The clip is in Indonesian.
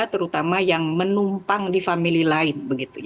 terutama yang menumpang di family lain